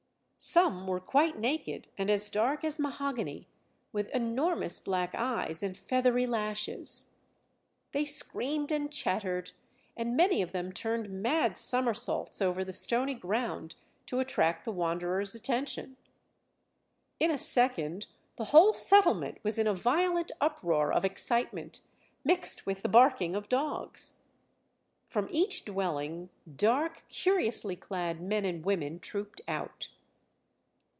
Some were quite naked and as dark as mahogany, with enormous black eyes and feathery lashes. They screamed and chattered, and many of them turned mad somersaults over the stony ground to attract the wanderer's attention. In a second the whole settlement was in a violent uproar of excitement, mixed with the barking of dogs. From each dwelling dark, curiously clad men and women trooped out.